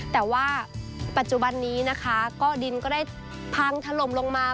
แต่ว่าปัจจุบันนี้นะคะก็ดินก็ได้พังถล่มลงมา